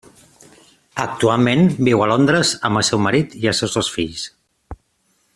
Actualment, viu a Londres amb el seu marit i els seus dos fills.